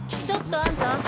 ちょっとあんた。